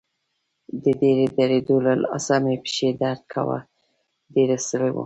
د ډېرې درېدو له لاسه مې پښې درد کاوه، ډېر ستړی وم.